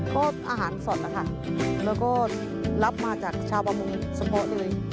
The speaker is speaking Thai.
ก็อาหารสดนะคะแล้วก็รับมาจากชาวประมงเฉพาะเลย